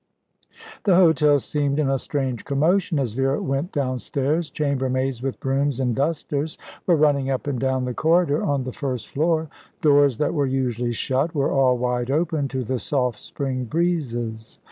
The hotel seemed in a strange commotion as Vera went downstairs. Chambermaids with brooms and dusters were running up and down the corridor on the first floor. Doors that were usually shut were all wide open to the soft spring breezes.